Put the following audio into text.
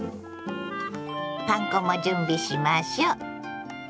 パン粉も準備しましょう。